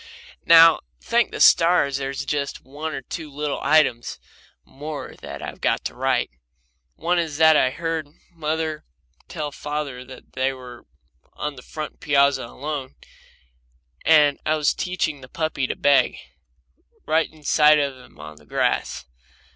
Now, thank the stars, there's just one or two little items more that I've got to write. One is what I heard mother tell father when they were on the front piazza alone, and I was teaching the puppy to beg, right in sight of them on the grass.